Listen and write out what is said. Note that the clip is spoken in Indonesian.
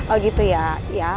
oh gitu ya